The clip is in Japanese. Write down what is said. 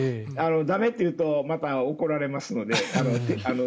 駄目っていうとまた怒られますので。